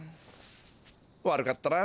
悪かったな。